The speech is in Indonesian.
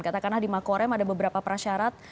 katakanlah di makorem ada beberapa prasyarat